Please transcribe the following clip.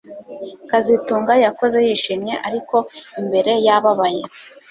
kazitunga yakoze yishimye ariko imbere yababaye